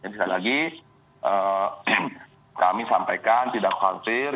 sekali lagi kami sampaikan tidak khawatir